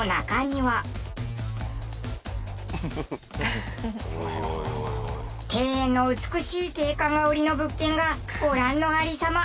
庭園の美しい景観が売りの物件がご覧の有り様。